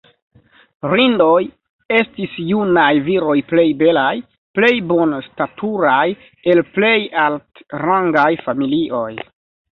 "Rindoj" estis junaj viroj plej belaj, plej bonstaturaj el plej altrangaj familioj.